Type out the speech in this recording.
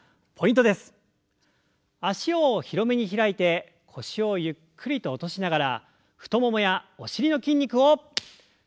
脚を広めに開いて腰をゆっくりと落としながら太ももやお尻の筋肉を刺激していきましょう。